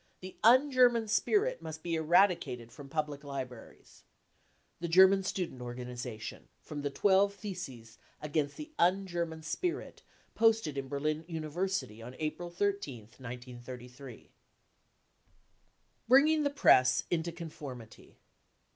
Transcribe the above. The un German spirit must be eradicated from public libraries ... The German Student Organisation. (From the twelve theses " Against the un German spirit " posted in Berlin University on April 13th, 1933.) Bringing the Press cc into Conformity."